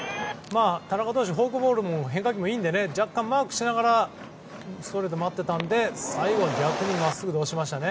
田中投手、フォークボールも変化球もいいので若干マークしながらストレートを待ってたので、最後逆にまっすぐで押しました。